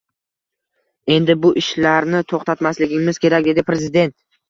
Endi bu ishlarni to‘xtatmasligimiz kerak”, — dedi Prezident